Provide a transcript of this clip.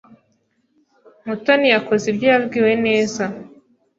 Mutoni yakoze ibyo yabwiwe neza .